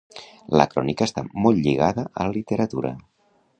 La crònica està molt lligada a la literatura.